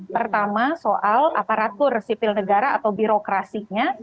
pertama soal aparatur sipil negara atau birokrasinya